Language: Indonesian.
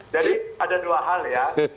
ada dua hal ya